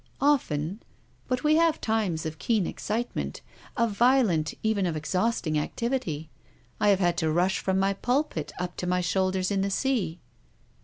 "Often. But wc have times of keen excite ment, of violent, even of exhausting activity. I have had to rush from the pulpit up to my shoul ders in the sea."